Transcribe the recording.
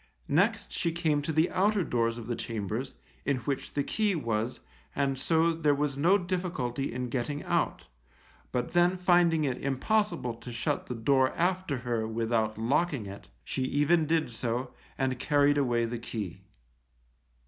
Next she came to the outer doors of the chambers, in which the key was, and so there was no difficulty in getting out; but then finding it impossible to shut the door after her without locking it, she even did so, and carried away the key.